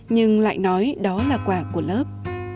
nhưng lại nói đó là quả của lớp